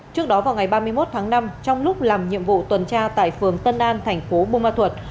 trước đó vào ngày ba mươi một tháng năm trong lúc làm nhiệm vụ tuần tra tại phường tân an thành phố bù ma thuật